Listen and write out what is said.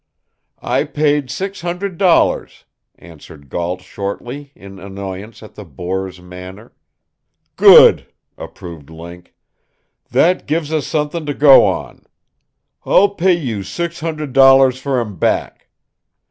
"I paid six hundred dollars," answered Gault shortly, in annoyance at the boor's manner. "Good!" approved Link, "That gives us suthin' to go on. I'll pay you six hundred dollars fer him back.